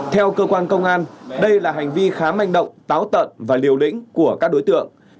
theo cơ quan công an đây là hành vi khá manh động táo tận và liều lĩnh của các đối tượng